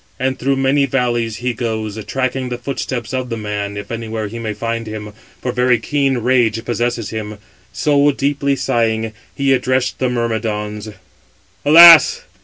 And through many valleys he goes, tracking the footsteps of the man, if anywhere he may find him; for very keen rage possesses him. So, deeply sighing, he addressed the Myrmidons: "Alas!